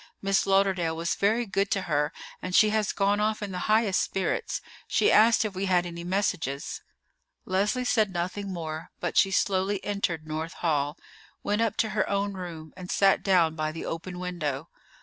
Miss Lauderdale was very good to her, and she has gone off in the highest spirits. She asked if we had any messages." Leslie said nothing more; but she slowly entered North Hall, went up to her own room, and sat down by the open window.